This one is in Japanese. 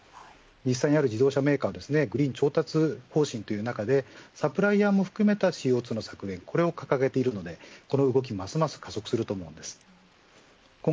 実際にある自動車メーカーはグリーン調達方針という中でサプライヤーを含めたＣＯ２の削減を掲げているのでこの動きはますます拡大すると思います。